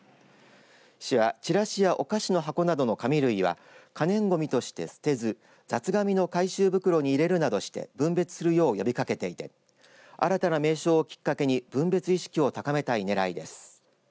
市はチラシやお菓子の箱などの紙類は可燃ごみとして捨てず雑がみの回収袋に入れるなどして分別するよう呼びかけていて新たな名称をきっかけに分別意識を高めたい狙いです。